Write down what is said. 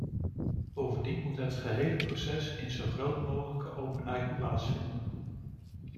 Bovendien moet het gehele proces in zo groot mogelijke openheid plaatsvinden.